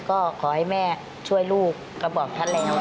ก็ขอให้แม่ช่วยลูกก็บอกท่านแล้ว